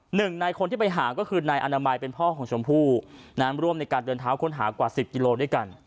หนึ่งในคนที่ไปหาก็คือนายอนามัยเป็นพ่อของชมพู่นั้นร่วมในการเดินเท้าค้นหากว่าสิบกิโลด้วยกัน